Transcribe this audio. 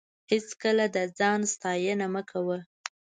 هېڅکله د ځان ستاینه مه کوه.